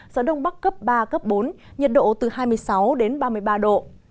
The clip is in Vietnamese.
do đông bắc cấp ba bốn nhiệt độ từ hai mươi sáu ba mươi ba độ